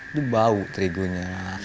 itu bau terigunya